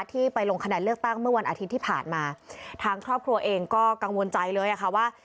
ที่ไปลงคะแนนเลือกตั้งเมื่อวันอาทิตย์ที่ผ่านมาทางครอบครัวเองก็กังวลใจเลยอ่ะค่ะว่า